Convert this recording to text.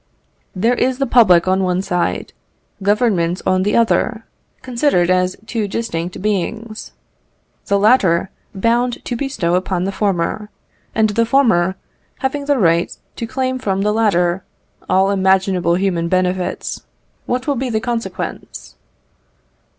There is the public on one side, Government on the other, considered as two distinct beings; the latter bound to bestow upon the former, and the former having the right to claim from the latter, all imaginable human benefits. What will be the consequence?